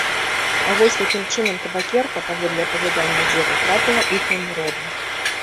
А вось якім чынам табакерка, паводле апавядання дзеда, трапіла іхняму роду.